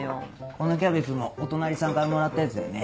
このキャベツもお隣さんからもらったやつだよね。